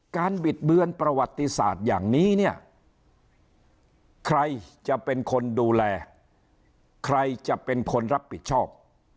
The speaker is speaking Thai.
บิดเบือนประวัติศาสตร์อย่างนี้เนี่ยใครจะเป็นคนดูแลใครจะเป็นคนรับผิดชอบ